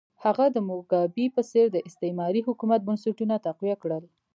هغه د موګابي په څېر د استعماري حکومت بنسټونه تقویه کړل.